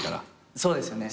そうですよね。